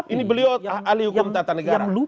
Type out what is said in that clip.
ini beliau ahli hukum tata negara